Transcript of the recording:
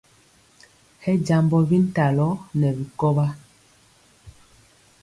Hɛ jambɔ bintalɔ nɛ bikɔwa.